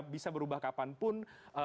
bisa berubah kapanpun